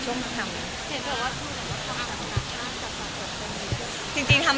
โชว์จะทำ